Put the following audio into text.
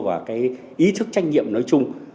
và cái ý thức trách nhiệm nói chung